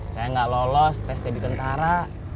saya nggak lolos tes jadi tentara